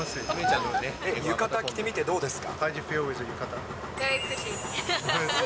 浴衣着てみて、どうですか？